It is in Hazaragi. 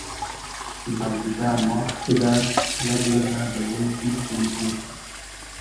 مئلیدۂ ماخ کیدۂ یئگ لئزۂ بئلې دیل خو میگریفت